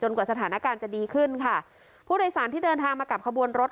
กว่าสถานการณ์จะดีขึ้นค่ะผู้โดยสารที่เดินทางมากับขบวนรถ